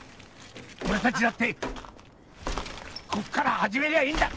俺達だってこっから始めりゃいいんだ！